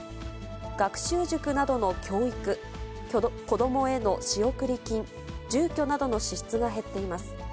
学習塾などの教育、子どもへの仕送り金、住居などの支出が減っています。